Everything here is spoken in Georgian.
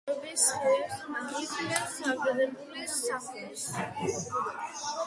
მნათობი სხივებს მაღლით ჰფენს თავდადებულის საფლავს.